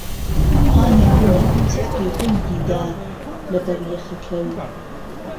هانێ گوڵ چهپکێ گوڵ بیده له بهر یهخهکهو